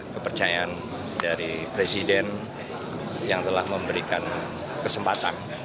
kepercayaan dari presiden yang telah memberikan kesempatan